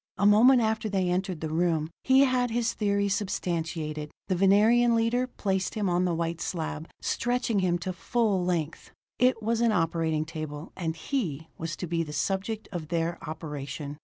A moment after they entered the room, he had his theory substantiated: the Venerian leader placed him on the white slab, stretching him to full length. It was an operating table and he was to be the subject of their operation!